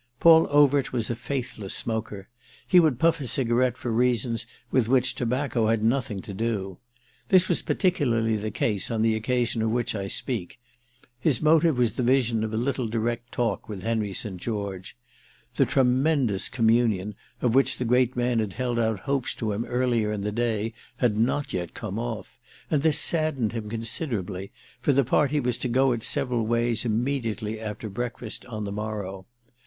Paul Overt was a faithless smoker; he would puff a cigarette for reasons with which tobacco had nothing to do. This was particularly the case on the occasion of which I speak; his motive was the vision of a little direct talk with Henry St. George. The "tremendous" communion of which the great man had held out hopes to him earlier in the day had not yet come off, and this saddened him considerably, for the party was to go its several ways immediately after breakfast on the morrow.